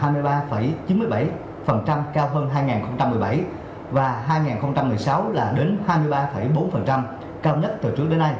cao hơn hai nghìn một mươi bảy và hai nghìn một mươi sáu là đến hai mươi ba bốn cao nhất từ trước đến nay